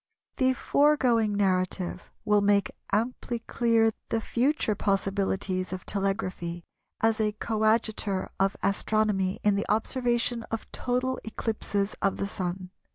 The foregoing narrative will make amply clear the future possibilities of telegraphy as a coadjutor of Astronomy in the observation of total eclipses of the Sun.